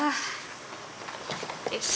よし。